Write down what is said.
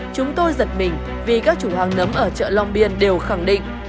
chúng tôi giật mình vì các chủ hàng nấm ở chợ long biên đều khẳng định